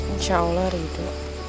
insya allah ridho